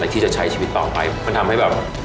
ที่จะใช้ชีวิตต่อไปมันทำให้แบบ